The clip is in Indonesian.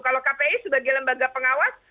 kalau kpi sebagai lembaga pengawas